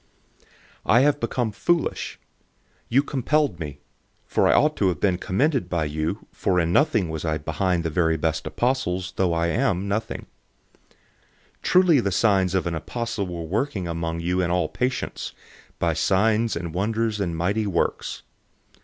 012:011 I have become foolish in boasting. You compelled me, for I ought to have been commended by you, for in nothing was I inferior to the very best apostles, though I am nothing. 012:012 Truly the signs of an apostle were worked among you in all patience, in signs and wonders and mighty works.